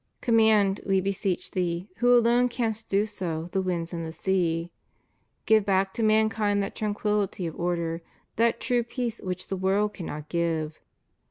Conmiand, we beseech Thee, who alone canst do so, the winds and the sea. Give back to mankind that tranquillity of order, that true peace which the world cannot give.